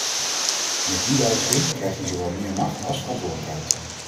Met die wijziging krijgt die zowel meer macht als verantwoordelijkheid.